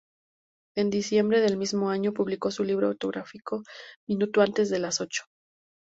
En diciembre del mismo año, publicó su libro autobiográfico: "Minutos antes de las ocho".